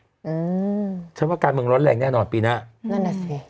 อืมฉันว่าการเมืองร้อนแรงแน่นอนปีหน้านั่นน่ะสิ